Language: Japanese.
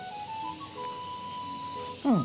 うん。